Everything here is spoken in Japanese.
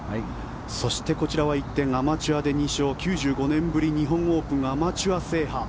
そして、こちらは一転アマチュアで優勝９５年ぶり日本オープンアマチュア制覇。